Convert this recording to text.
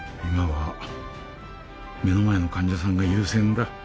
今は目の前の患者さんが優先だ。